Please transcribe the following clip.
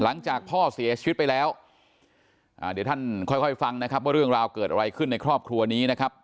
หลังจากพ่อเสียชีวิตไปแล้วเดี๋ยวท่านค่อยค่อยฟังนะครับว่าเรื่องราวเกิดอะไรขึ้นในครอบครัวนี้นะครับ